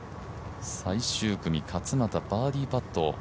最終組・勝俣バーディーパット。